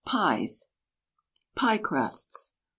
PIES PIE CRUSTS.